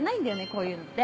こういうのって。